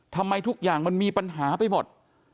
ทำไมทุกอย่างมันมีปัญหาไปหมด